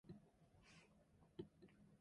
He also served on the Bangor City Council.